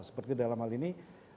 seperti dalam hal ini